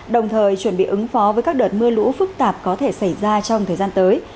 đồng thời chuẩn bị ứng phó với các đợt mưa lũ phức tạp có thể xảy ra trong thời gian tới